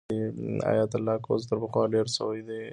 ایا طلاق اوس تر پخوا ډېر سوی دی؟